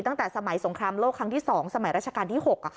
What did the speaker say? ตั้งแต่สมัยสงครามโลกครั้งที่๒สมัยราชการที่๖